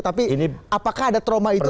tapi apakah ada trauma itu